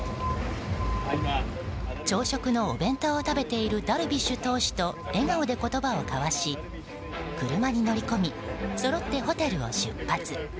朝食のお弁当を食べているダルビッシュ投手と笑顔で言葉を交わし車に乗り込みそろってホテルを出発。